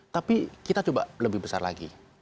tapi kita coba lebih besar lagi